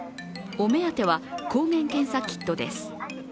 お目当ては抗原検査キットです。